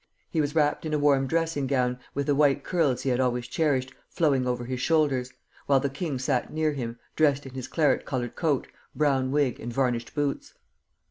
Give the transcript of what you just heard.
He was wrapped in a warm dressing gown, with the white curls he had always cherished, flowing over his shoulders, while the king sat near him, dressed in his claret colored coat, brown wig, and varnished boots.